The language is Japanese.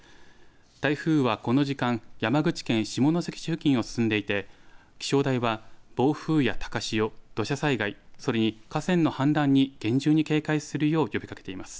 台風はこの時間、山口県下関市付近を進んでいて、気象台は暴風や高潮、土砂災害、それに河川の氾濫に厳重に警戒するよう呼びかけています。